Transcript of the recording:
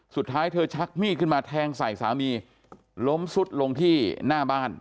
สุดท้ายเธอชักมีดขึ้นมาแทงใส่สามีล้มสุดลงที่หน้าบ้าน